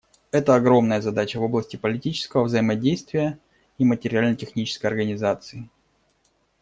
Это огромная задача в области политического взаимодействия и материально-технической организации.